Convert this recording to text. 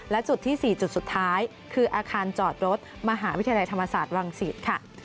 และจุดที่๔จุดสุดท้ายคืออาคารจอดรถมหาวิทยาลัยธรรมศาสตร์วังศิษย์ค่ะ